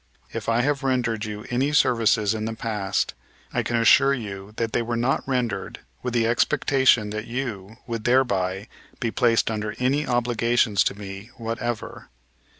If I have rendered you any services in the past, I can assure you that they were not rendered with the expectation that you would thereby be placed under any obligations to me whatever.